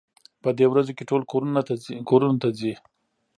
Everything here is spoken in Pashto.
په دې ورځو کې ټول کورونو ته ځي.